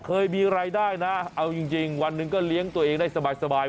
เคยมีรายได้นะเอาจริงวันหนึ่งก็เลี้ยงตัวเองได้สบาย